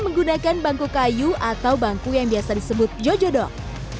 menggunakan bangku kayu atau bangku yang biasa disebut jojodok